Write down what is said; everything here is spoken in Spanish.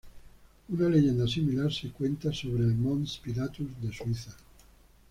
Una leyenda similar se cuenta sobre el "Mons Pilatus" de Suiza.